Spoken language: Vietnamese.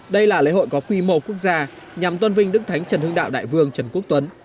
đây là lễ hội có quy mô quốc gia nhằm tôn vinh đức thánh trần hưng đạo đại vương trần quốc tuấn